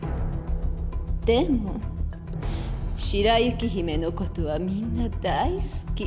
でも白雪姫の事はみんな大好き。